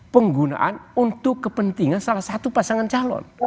penggunaan untuk kepentingan salah satu pasangan calon